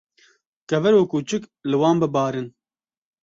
Kevir û kûçik li wan bibarin.